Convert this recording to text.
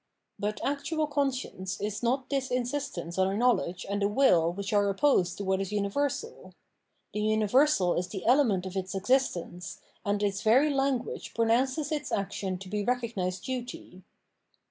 But actual conscience is not this insistence on a knowledge and a will which are opposed to what is universal ; the univer sal is the element of its existence, and its very language pronounces its action to be recognised duty.